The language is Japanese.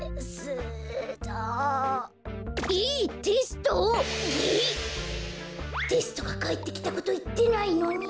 こころのこえテストがかえってきたこといってないのに。